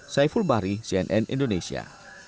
saya fulbari cnn indonesia